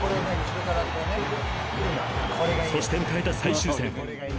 ［そして迎えた最終戦］